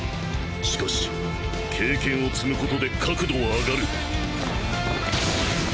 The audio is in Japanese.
しかし経験を積むことで確度は上がる。